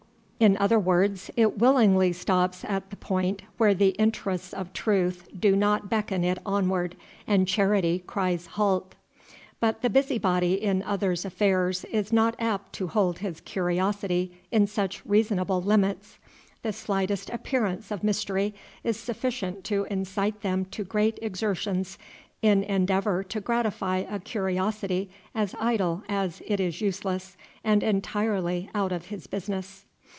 In other words, it willingly stops at the point where the interests of truth do not beckon it onward and charity cries halt. But the busybody in others' affairs is not apt to hold his curiosity in such reasonable limits. The slightest appearance of mystery is sufficient to incite them to great exertions in endeavor to gratify a curiosity as idle as it is useless, and entirely out of his business.